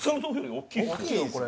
大きいよこれ。